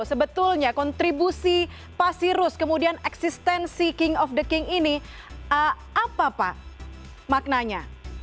sebetulnya kontribusi pak sirus kemudian eksistensi king of the king ini apa pak maknanya